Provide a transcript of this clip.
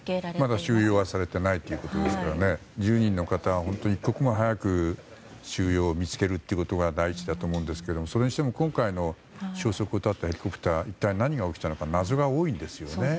まだ収容はされていないということですから１０人の方、本当に一刻も早く収容、見つけるということが大事だと思いますがそれにしても今回の消息を絶ったヘリコプターは一体何が起きたのか謎が多いんですよね。